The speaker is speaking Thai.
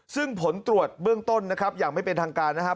ซึ่งผลตรวจเบื้องต้นนะครับอย่างไม่เป็นทางการนะครับ